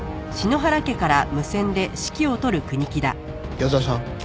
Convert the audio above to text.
矢沢さん。